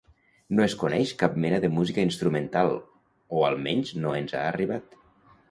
No es coneix cap mena de música instrumental, o almenys no ens ha arribat.